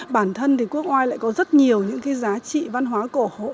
bản thân thì quốc ngoài lại có rất nhiều những cái giá trị văn hóa cổ